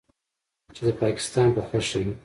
چې د پکستان په خوښه یې